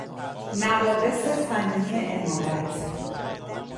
نواقص فنی عمارت